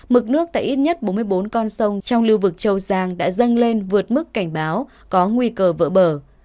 mực nước tại ít nhất bốn mươi bốn con sông trong lưu vực châu giang đã dâng lên vượt mức cảnh báo có nguy cơ vỡ bờ